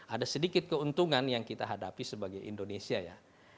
ada sedikit keuntungan yang kita hadapi sebagai indonesia ya